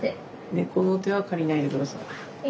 猫の手は借りないで下さい。